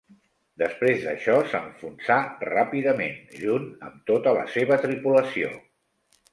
Després d'això s'enfonsà ràpidament, junt amb tota la seva tripulació.